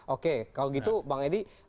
oke kalau gitu bang edi